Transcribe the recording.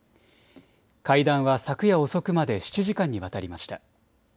会談は昨夜遅くまで７時間にわたりました。